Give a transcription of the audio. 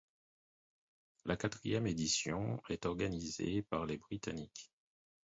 La quatrième édition est organisée par les britanniques.